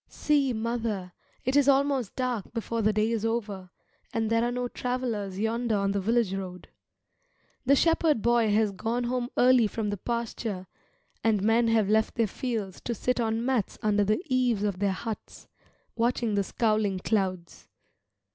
See, mother, it is almost dark before the day is over, and there are no travellers yonder on the village road. The shepherd boy has gone home early from the pasture, and men have left their fields to sit on mats under the eaves of their huts, watching the scowling clouds.